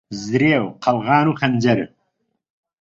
زرێ و قەلغان و خەنجەر